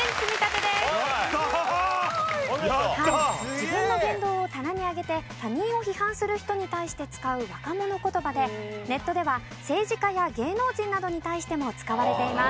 自分の言動を棚に上げて他人を批判する人に対して使う若者言葉でネットでは政治家や芸能人などに対しても使われています。